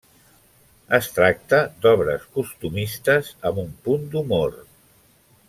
Es tracta d'obres costumistes, amb un punt d'humor.